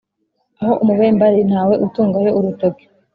Aho umubembe ali ntawe utungayo urutoki.